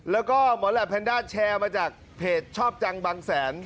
แล้วก็หมอแหลปแพนด้าแชร์มาจากเพจชอบจังบางแสน